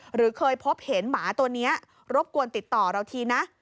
หรือเคยพบเห็นหมาตัวนี้รบกวนติดต่อเราทีนะ